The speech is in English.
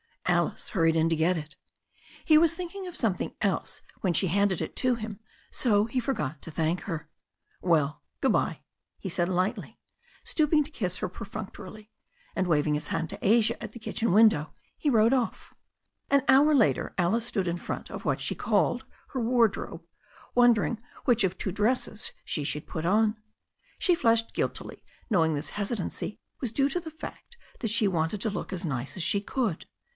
Alice hurried in to get it He was thinking of something else when she handed it to him, so he forgot to thank her. "Well, bye bye," he said lightly, stooping to kiss her per functorily; and waving his hand to Asia at the kitchen win* dow, he rode off. An hour later Alice stood in front of what she called her wardrobe, wondering which of two dresses she should put on. She flushed guiltily, knowing this hesitancy was due to the fact that she wanted to look as nice as she could.